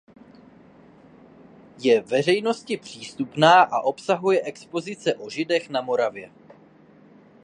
Je veřejnosti přístupná a obsahuje expozice o Židech na Moravě.